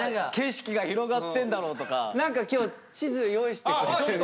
何か今日地図用意してくれてる。